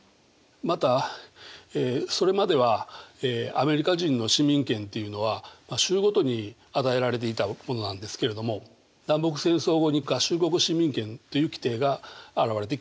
またそれまではアメリカ人の市民権っていうのは州ごとに与えられていたものなんですけれども南北戦争後に合衆国市民権という規定が表れてきます。